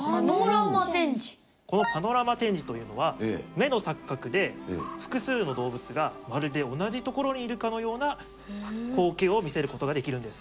このパノラマ展示というのは目の錯覚で複数の動物がまるで同じところにいるかのような光景を見せることができるんです。